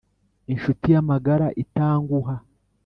inshuti y’amagara itanguha